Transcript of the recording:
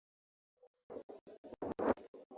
zimezidiwa kiushindani na china saa hizi kama marekani